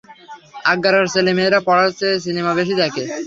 আগ্রার ছেলে মেয়েরা পড়ার চেয়ে সিনেমা বেশি দেখে।